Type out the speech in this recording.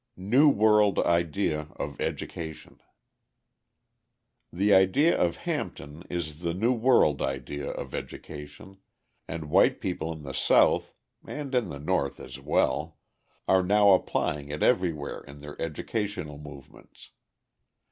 New World Idea of Education The idea of Hampton is the new world idea of education, and white people in the South (and in the North as well) are now applying it everywhere in their educational movements.